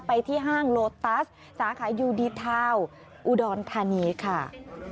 ไปที่ห้างโลตัสสาขายูดีทาวน์อุดรธานีค่ะ